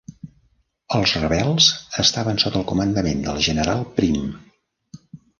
Els rebels estaven sota el comandament del general Primm.